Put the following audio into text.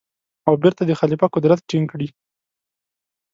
او بېرته د خلیفه قدرت ټینګ کړي.